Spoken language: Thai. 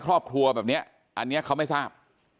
ครอบครัวแบบนี้อันนี้เขาไม่ทราบ